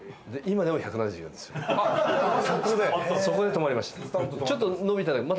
そこで止まりました。